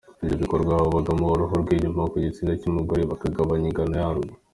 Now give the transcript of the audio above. Ibyo bikorwa habagwa uruhu rw’inyuma ku gitsina cy’umugore bakagabanya ingano yarwo.